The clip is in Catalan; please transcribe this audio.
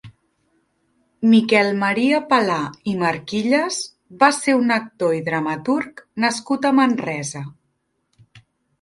Miquel Maria Palà i Marquillas va ser un actor i dramaturg nascut a Manresa.